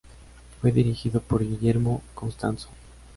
Fue dirigido por Guillermo Constanzo.